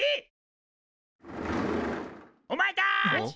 おまえたち。